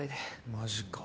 マジか。